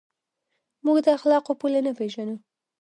موږ د اخلاقو پولې نه پېژنو.